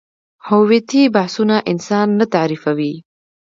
هویتي بحثونه انسان نه تعریفوي.